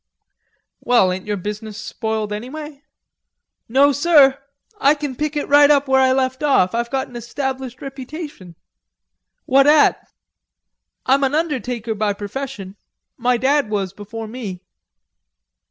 "Well, ain't your business spoiled anyway?" "No, sir. I can pick it right up where I left off. I've got an established reputation." "What at?" "I'm an undertaker by profession; my dad was before me."